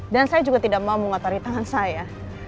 dan saya juga tidak mau mengotori tangan saya